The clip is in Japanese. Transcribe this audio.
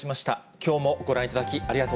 きょうもご覧いただきありがとう